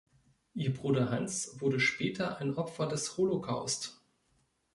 Ihr Bruder Hans wurde später ein Opfer des Holocaust.